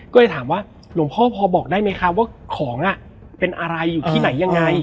ก็เลยถามว่าหลวงพ่อพอบอกได้ไหมคะว่าของเป็นอะไรอยู่ที่ไหนยังไง